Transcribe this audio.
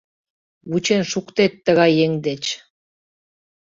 Вучен шуктет тыгай еҥ деч!